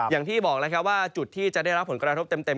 อย่างที่บอกแล้วครับว่าจุดที่จะได้รับผลกระทบเต็ม